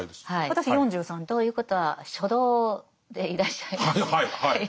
私４３。ということは初老でいらっしゃいますね。